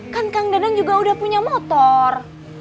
kan kang dadang juga udah punya motor